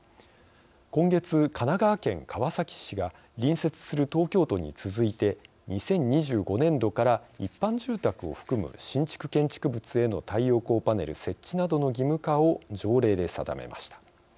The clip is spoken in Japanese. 今月、神奈川県川崎市が隣接する東京都に続いて２０２５年度から一般住宅を含む新築建築物への太陽光パネル設置などの義務化を条例で定めました。